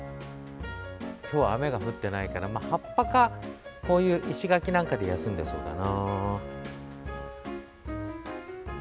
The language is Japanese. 今日は雨が降っていないから葉っぱか、こういう石垣なんかで休んでいそうだな。